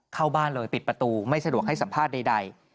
เข้าบ้านเลยปิดประตูไม่สะดวกให้สัมภาษณ์ใด